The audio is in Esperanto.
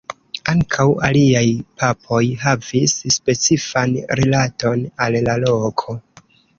Ankaŭ aliaj papoj havis specifan rilaton al la loko.